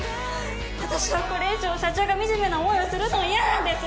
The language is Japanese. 私はこれ以上社長が惨めな思いをするのは嫌なんです！